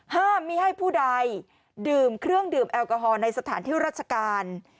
ห้ามไม่ให้ผู้ใดดื่มเครื่องดื่มแอลกอฮอล์ในสถานที่ราชการ